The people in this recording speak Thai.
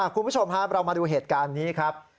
คุณผู้ชมครับเรามาดูเหตุการณ์นี้ครับ